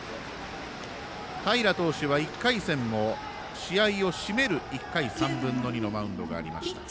平投手は１回戦も試合を締める１回３分の２のマウンドがありました。